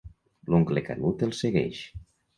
L'oncle Canut el segueix.